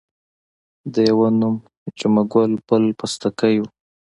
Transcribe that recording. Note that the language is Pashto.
د یوه نوم جمعه ګل بل پستکی وو.